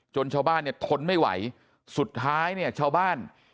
ชาวบ้านเนี่ยทนไม่ไหวสุดท้ายเนี่ยชาวบ้าน